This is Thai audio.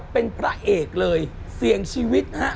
เป็นพระเอกเลยเสี่ยงชีวิตฮะ